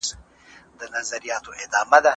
تخنیک د تولید د لوړوالي لپاره مهم رول لوبوي.